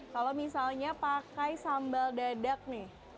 kalau misalnya pakai sambal dadak nih